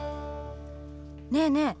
ねえねえ